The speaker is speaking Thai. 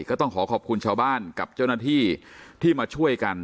ก็ต้องขอขอบคุณชาวบ้านกับเจ้าหน้าที่ที่มาช่วยกัน